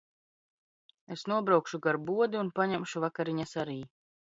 Es nobraukšu gar bodi un paņemšu vakariņas arī.